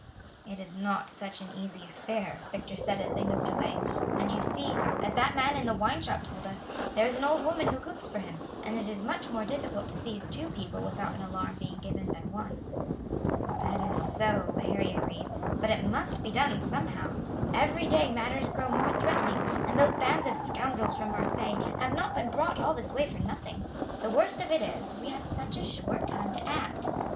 "It is not such an easy affair," Victor said as they moved away; "and you see, as that man in the wine shop told us, there is an old woman who cooks for him, and it is much more difficult to seize two people without an alarm being given than one." "That is so," Harry agreed; "but it must be done somehow. Every day matters grow more threatening, and those bands of scoundrels from Marseilles have not been brought all this way for nothing. The worst of it is, we have such a short time to act.